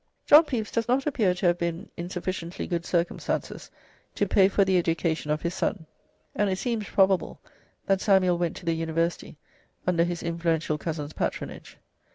John Pepys does not appear to have been in sufficiently good circumstances to pay for the education of his son, and it seems probable that Samuel went to the university under his influential cousin's patronage.